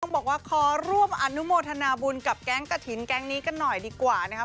บอกว่าขอร่วมอนุโมทนาบุญกับแก๊งกระถิ่นแก๊งนี้กันหน่อยดีกว่านะครับ